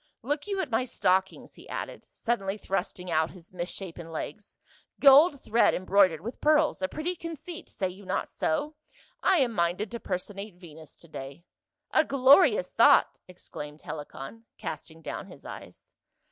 " Look you at my stockings," he added, suddenly thrusting out his mis shapen legs, " gold thread embroidered with pearls ; a pretty conceit, say you not so ? I am minded to per sonate Venus to day." "A glorious thought !" exclaimed Helicon, casting down his eyes.